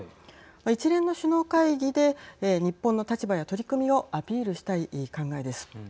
一連の首脳会議で日本の立場や取り組みをアピールしたい考えです。